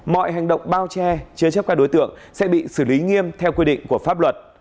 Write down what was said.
mọi hành động bao che chứa chấp các đối tượng sẽ bị xử lý nghiêm theo quy định của pháp luật